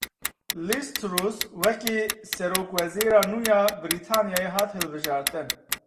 LizTruss wekî Serokwezîra nû ya Brîtanyayê hat hilbijartin.